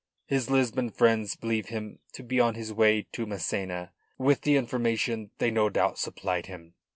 His Lisbon friends believe him to be on his way to Massena with the information they no doubt supplied him.